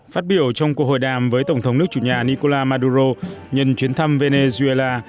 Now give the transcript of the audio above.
phát biểu trong cuộc hội đàm với tổng thống nước chủ nhà nicola maduro nhân chuyến thăm venezuela